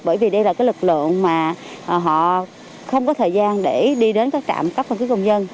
bởi vì đây là cái lực lượng mà họ không có thời gian để đi đến các trạm cấp căn cứ công dân